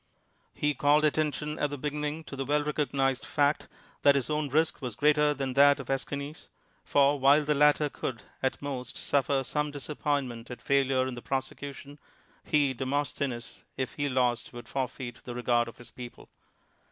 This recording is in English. He called INTRODUCTION attention at the beginning to the well recog nized fact that his own risk was greater than that of yEschines; for while the latter could, at most, sufl:or . r.ne disappointment at failure in the prosecution, he (Demosthenes), if he lost wou]d forfeit the regard of hi.s peox)le.